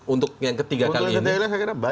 untuk yang ketiga kali ini